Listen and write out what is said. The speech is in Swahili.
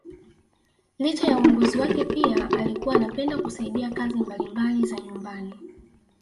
Licha ya uongozi wake pia alikuwa anapenda kusaidia kazi mbalimbali za nyumbani